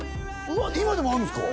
今でもあるんですか？